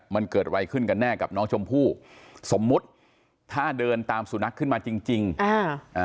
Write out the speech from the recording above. มันเกิดอะไรขึ้นกันแน่กับน้องชมพู่สมมุติถ้าเดินตามสุนัขขึ้นมาจริงจริงอ่าอ่า